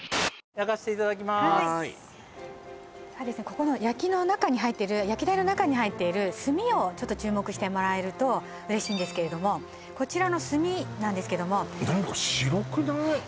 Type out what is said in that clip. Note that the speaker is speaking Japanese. ここの焼き台の中に入っている炭をちょっと注目してもらえると嬉しいんですけれどもこちらの炭なんですけども何か白くない？